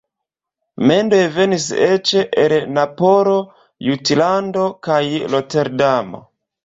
Mendoj venis eĉ el Napolo, Jutlando kaj Roterdamo.